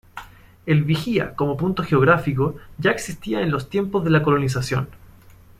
El Vigía como punto geográfico, ya existía en los tiempos de la colonización.